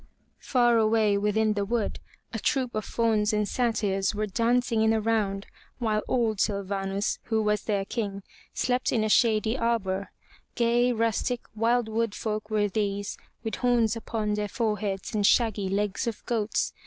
Far away within the wood a troop of Fauns and Sa'tyrs were 31 MY BOOK HOUSE dancing in a round, while old Syl va'nus, who was their king, slept in a shady arbor. Gay, rustic, wild wood folk were these, with horns upon their foreheads and shaggy legs of goats.